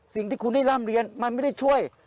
สิ่งที่คุณได้ร่ำเรียนมันไม่ได้ช่วย